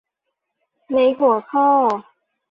ในหัวข้อ